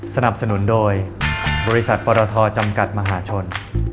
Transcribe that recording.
สนับสนุนโดยบริษัทปรทจำกัดมหาชน